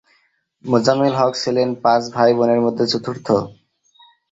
মোজাম্মেল হক ছিলেন পাঁচ ভাই-বোনের মধ্যে চতুর্থ।